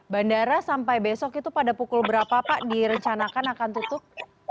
bandara sampai besok itu pada pukul berapa pak direncanakan akan tutup